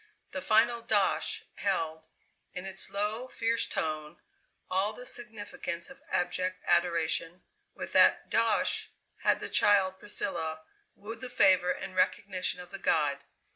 The final "dosh!" held, in its low, fierce tone, all the significance of abject adoration. With that "dosh" had the child Priscilla wooed the favour and recognition of the god.